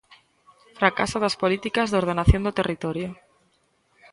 Fracaso das políticas de ordenación do territorio.